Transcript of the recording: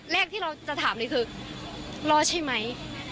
โหดีใจ